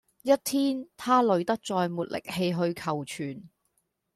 一天他累得再沒力氣去求存